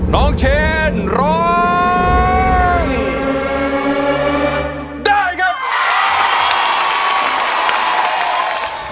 น้องเชนร้องได้ครับ